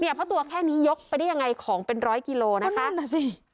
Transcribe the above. เพราะตัวแค่นี้ยกไปได้ยังไงของเป็นร้อยกิโลนะคะนั่นน่ะสิ